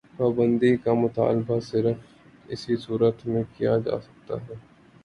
پابندی کا مطالبہ صرف اسی صورت میں کیا جا سکتا ہے۔